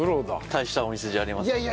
大したお店じゃありませんが。